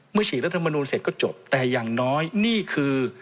ฉีกรัฐมนูลเสร็จก็จบแต่อย่างน้อยนี่คือ